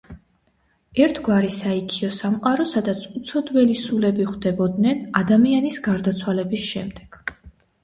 ერთგვარი საიქიო სამყარო, სადაც უცოდველი სულები ხვდებოდნენ ადამიანის გარდაცვალების შემდეგ.